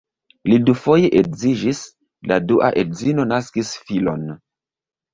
Li dufoje edziĝis, la dua edzino naskis filon.